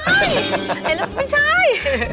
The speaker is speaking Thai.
เห็นแล้วไม่ใช่